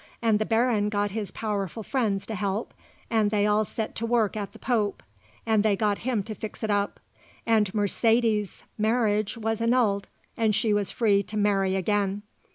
And the Baron got his powerful friends to help and they all set to work at the Pope, and they got him to fix it up, and Mercedes's marriage was annulled and she was free to marry again.